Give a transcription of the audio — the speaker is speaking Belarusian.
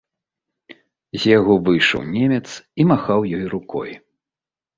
З яго выйшаў немец і махаў ёй рукой.